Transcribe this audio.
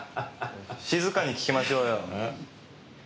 静かに聞きましょうよ。